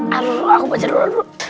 aduh aku baca doa